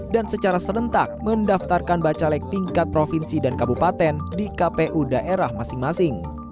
dan secara serentak mendaftarkan bacalek tingkat provinsi dan kabupaten di kpu daerah masing masing